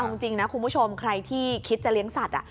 เอาจริงนะคุณผู้ชมใครที่คิดจะเลี้ยงสัตว์